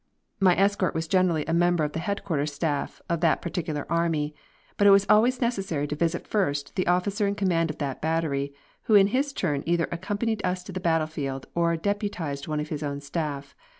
My escort was generally a member of the Headquarters' Staff of that particular army. But it was always necessary to visit first the officer in command of that battery, who in his turn either accompanied us to the battlefield or deputised one of his own staff.